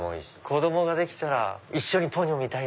子供ができたら一緒に『ポニョ』。